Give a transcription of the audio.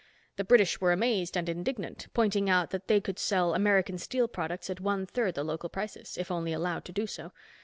The British were amazed and indignant, pointing out that they could sell American steel products at one third the local prices, if only allowed to do so.